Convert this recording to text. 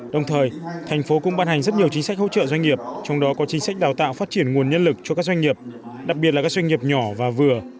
đồng thời thành phố cũng ban hành rất nhiều chính sách hỗ trợ doanh nghiệp trong đó có chính sách đào tạo phát triển nguồn nhân lực cho các doanh nghiệp đặc biệt là các doanh nghiệp nhỏ và vừa